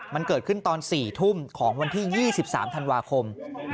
มันเกิดขึ้นตอน๔ทุ่มของวันที่๒๓ธันวาคม